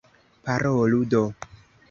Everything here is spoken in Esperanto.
Parolu do!